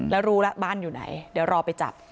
แล้วรู้แล้วบ้านอยู่ไหนเดี๋ยวรอไปจับ